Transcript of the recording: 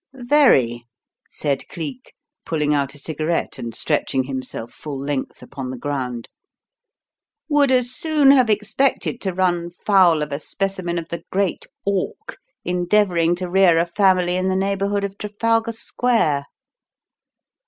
"Very," said Cleek, pulling out a cigarette and stretching himself full length upon the ground. "Would as soon have expected to run foul of a specimen of the Great Auk endeavouring to rear a family in the neighbourhood of Trafalgar Square.